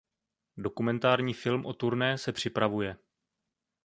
Dokumentární film o turné se připravuje.